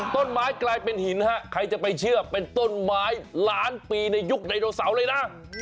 ต้นไม้กลายเป็นหินฮะใครจะไปเชื่อเป็นต้นไม้ล้านปีในยุคไดโนเสาร์เลยนะ